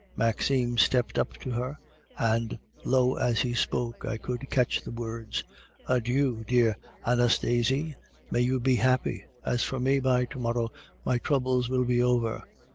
Maxime stepped up to her, and, low as he spoke, I could catch the words: "'Adieu, dear Anastasie, may you be happy! As for me, by to morrow my troubles will be over.